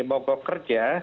di bongkok kerja